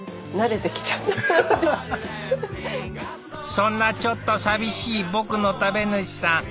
そんなちょっと寂しい僕の食べ主さん。